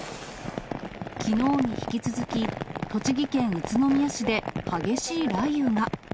きのうに引き続き、栃木県宇都宮市で激しい雷雨が。